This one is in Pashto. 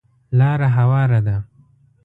لاره هواره ده .